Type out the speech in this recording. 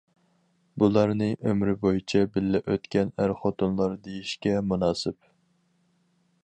بۇلارنى ئۆمرى بويىچە بىللە ئۆتكەن ئەر-خوتۇنلار دېيىشكە مۇناسىپ.